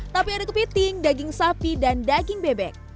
tapi ada kepiting daging sapi dan daging bebek